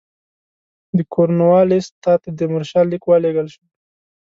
د کورنوالیس ته د تیمورشاه لیک ولېږل شو.